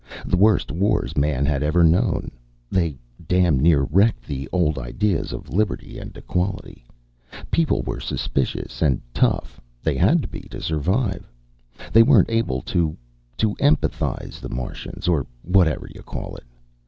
The worst wars man had ever known. They damned near wrecked the old ideas of liberty and equality. People were suspicious and tough they'd had to be, to survive. They weren't able to to empathize the Martians, or whatever you call it.